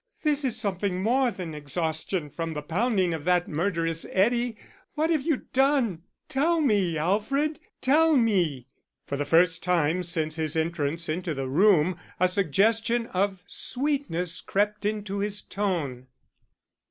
"This is something more than exhaustion from the pounding of that murderous eddy. What have you done? Tell me, Alfred, tell me." For the first time since his entrance into the room a suggestion of sweetness crept into his tone.